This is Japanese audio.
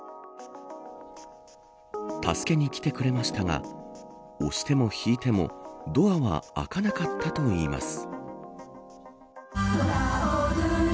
助けに来てくれましたが押しても引いてもドアは開かなかったといいます。